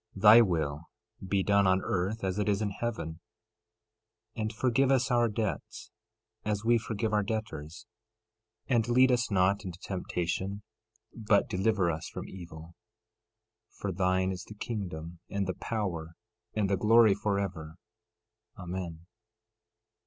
13:10 Thy will be done on earth as it is in heaven. 13:11 And forgive us our debts, as we forgive our debtors. 13:12 And lead us not into temptation, but deliver us from evil. 13:13 For thine is the kingdom, and the power, and the glory, forever. Amen.